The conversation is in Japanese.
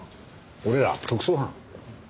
俺ら特捜班。